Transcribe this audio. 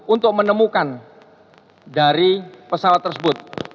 untuk menemukan dari pesawat tersebut